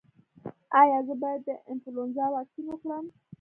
ایا زه باید د انفلونزا واکسین وکړم؟